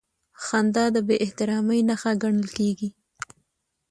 خندا د بېاحترامۍ نښه ګڼل کېده.